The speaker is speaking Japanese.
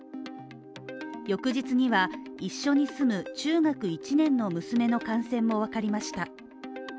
翌日には一緒に住む中学１年の娘の感染も分かりました。